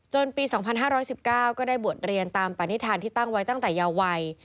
ปี๒๕๑๙ก็ได้บวชเรียนตามปณิธานที่ตั้งไว้ตั้งแต่เยาวัย